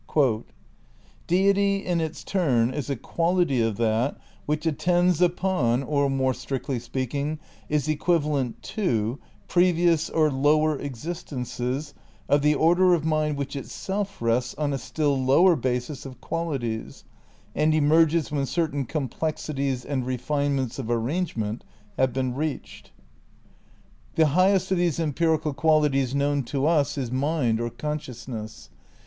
"Deity in its turn is a quality of that which attends upon, or more strictly speaking, is equivalent to, previous or lower existences of the order of mind which itself rests on a still lower basis of qual ities, and emerges when certain complexities and refinements of ar rangement have been reached." '" Space, Time and Deity, Vol. II, p. 347. 210 THE NEW IDEALISM v "The highest of these empirical qualities known to us is mind or consciousness.